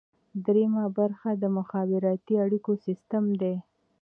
دریمه برخه د مخابراتي اړیکو سیستم دی.